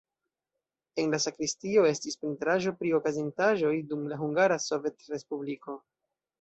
En la sakristio estis pentraĵo pri okazintaĵoj dum la Hungara Sovetrespubliko.